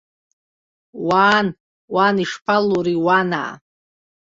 Уаан, уан ишԥалури, уанаа?